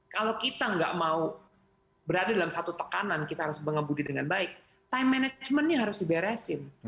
kalau kita nggak mau berada dalam satu tekanan kita harus mengebudi dengan baik time managementnya harus diberesin